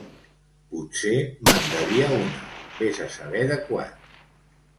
Potser me'n devia una, vés a saber de quan.